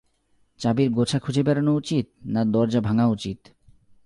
চাবির গোছা খুঁজে বেড়ানো উচিত, না দরজা ভাঙা উচিত।